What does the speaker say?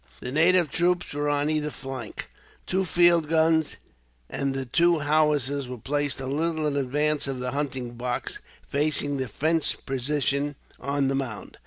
The native troops were on either flank. Two field guns, and the two howitzers, were placed a little in advance of the hunting box, facing the French position on the mound.